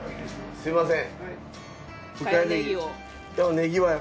すみません。